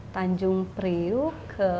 tanjung priuk ke